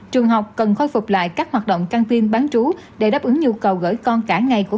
trường học cần khôi phục lại các hoạt động căng viên bán trú để đáp ứng nhu cầu gửi con cả ngày của